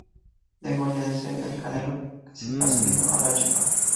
Deja ya de hacer el canelo que se te están subiendo a la chepa